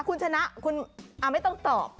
คุณชนะคุณไม่ต้องตอบ